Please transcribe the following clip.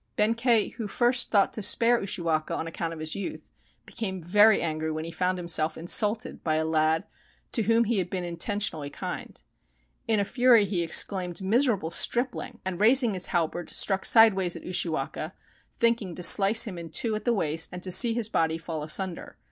Benkei, who had first thought to spare Ushiwaka on account of his youth, became very angry when he found himself insulted by a lad to whom he had been inten tionally kind. In a fury he exclaimed, "Miserable stripling!" and raising his halberd struck sideways at Ushiwaka, thinking to slice him in two at the waist and to see his body fall asunder.